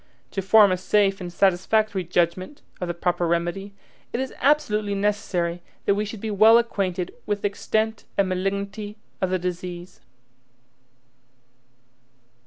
To form a safe and satisfactory judgment of the proper remedy, it is absolutely necessary that we should be well acquainted with the extent and malignity of the disease.